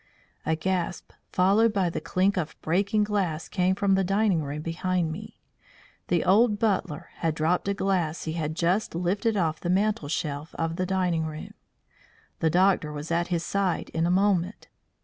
A gasp followed by the clink of breaking glass came from the dining room behind me. The old butler had dropped a glass he had just lifted off the mantel shelf of the dining room. The doctor was at his side in a moment.